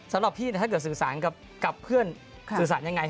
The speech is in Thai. สำหรับพี่ถ้าเกิดสื่อสารกับเพื่อนสื่อสารยังไง